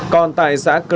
còn tại xã crona